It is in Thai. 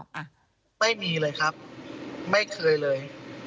อ่ะไม่มีเลยครับไม่เคยเลย